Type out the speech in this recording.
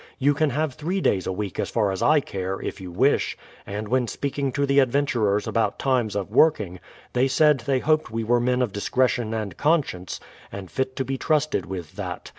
You can have three days a week, as far as I care, if you wish; and when speaking to the ad venturers about times of working, they said they hoped we were men of discretion and conscience, and fit to be trusted with that.